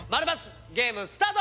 ○×ゲームスタート！